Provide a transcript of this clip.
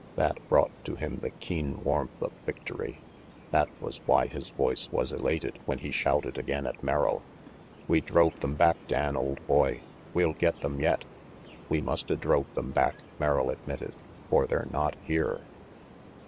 That brought to him the keen warmth of victory. That was why his voice was elated when he shouted again at Merrill 156 RANGY PETE "We droVe them back, Dan, old boy! We'll get them yet!" "We musta drove them back," Merrill admitted, "for they're not here."